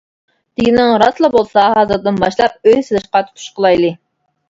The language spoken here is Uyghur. دېگىنىڭ راستلا بولسا، ھازىردىن باشلاپ ئۆي سېلىشقا تۇتۇش قىلايلى!